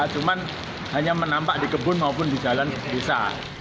cuma hanya menampak di kebun maupun di jalan desa